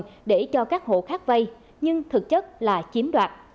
không nợ cho các hộ khác vây nhưng thực chất là chiếm đoạt